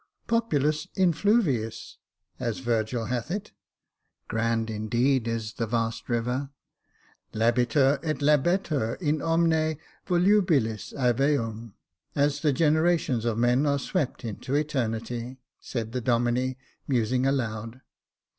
"' Populus in jluviis^ as Virgil hath it. Grand indeed is the vast river, * Lahitur et labetur in omne volubilis avum,^ as the generations of men are swept into eternity/' said the Domine, musing aloud.